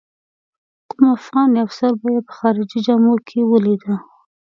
کوم افغان یا افسر به یې په خارجي جامو کې ولیده.